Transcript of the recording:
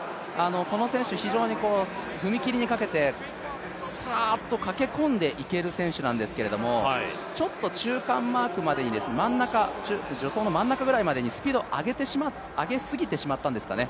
この選手、非常に踏み切りにかけてさーっと駆け込んでいける選手なんですけど、ちょっと中間マークまでに助走の真ん中ぐらいまでにスピード上げすぎてしまったんですかね。